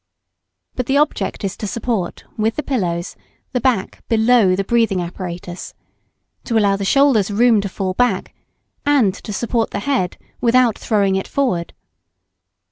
But the object is to support, with the pillows, the back below the breathing apparatus, to allow the shoulders room to fall back, and to support the head, without throwing it forward.